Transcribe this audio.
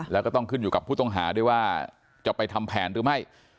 แล้วก็ต้องขึ้นอยู่กับผู้ต้องหาด้วยว่าจะไปทำแผนหรือไม่